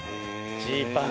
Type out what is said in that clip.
ジーパンか。